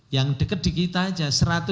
yang dekat di kita saja